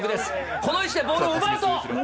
この位置でボールを奪うと。